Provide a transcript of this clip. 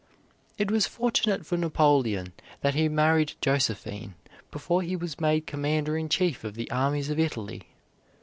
It was fortunate for Napoleon that he married Josephine before he was made commander in chief of the armies of Italy.